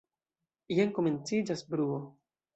Jen komenciĝas bruo.